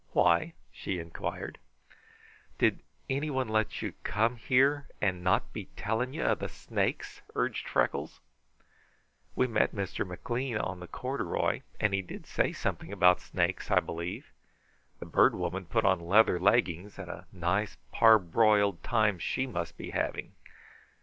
"Why?" she inquired. "Did anybody let you come here and not be telling you of the snakes?" urged Freckles. "We met Mr. McLean on the corduroy, and he did say something about snakes, I believe. The Bird Woman put on leather leggings, and a nice, parboiled time she must be having!